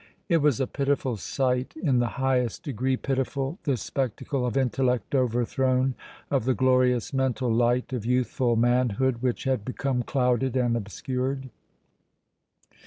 It was a pitiful sight, in the highest degree pitiful, this spectacle of intellect overthrown, of the glorious mental light of youthful manhood which had became clouded and obscured.